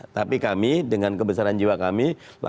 tapi kami dengan kebesaran jiwa kami